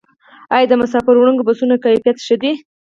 آیا د مسافروړونکو بسونو کیفیت ښه دی؟